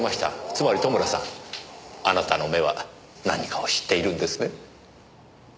つまり戸村さんあなたの目は何かを知っているんですね？